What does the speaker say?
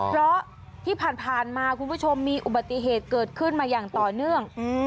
เพราะที่ผ่านมาคุณผู้ชมมีอุบัติเหตุเกิดขึ้นมาอย่างต่อเนื่อง